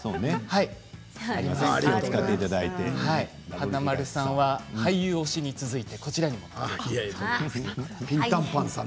華丸さんは俳優推しに続いてこちらにも。